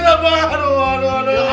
kamu mau ke bidan